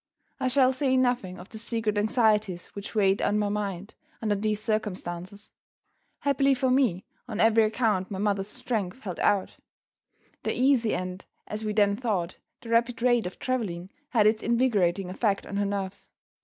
I shall say nothing of the secret anxieties which weighed on my mind, under these circumstances. Happily for me, on every account, my mother's strength held out. The easy and (as we then thought) the rapid rate of traveling had its invigorating effect on her nerves.